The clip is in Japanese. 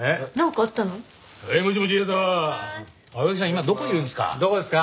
今どこにいるんですか？